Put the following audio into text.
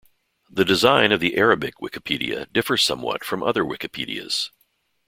The design of the Arabic Wikipedia differs somewhat from other Wikipedias.